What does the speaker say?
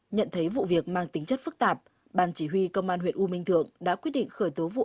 nhận thấy vụ việc mang tính chất phức tạp ban chỉ huy công an huyện u minh thượng đã quyết định khởi tố vụ án